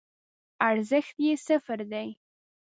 ارزښت یی صفر دی